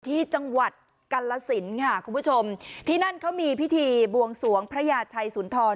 ที่จังหวัดกาลสินค่ะคุณผู้ชมที่นั่นเขามีพิธีบวงสวงพระยาชัยสุนทร